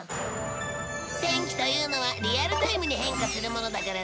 天気というのはリアルタイムに変化するものだからね。